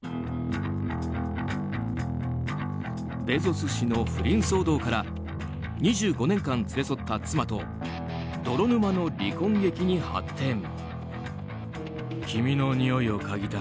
ベゾス氏の不倫騒動から２５年間連れ添った妻と泥沼の離婚劇に発展。